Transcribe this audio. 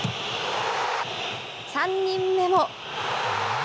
３人目も。